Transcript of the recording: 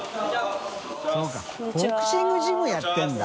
修Δボクシングジムやってるんだ。